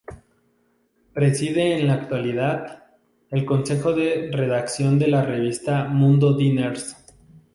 Preside, en la actualidad, el consejo de redacción de la revista Mundo Diners.